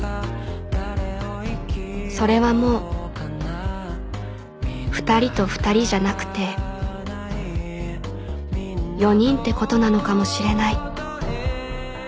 それはもう２人と２人じゃなくて４人ってことなのかもしれない